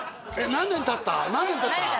何年たった？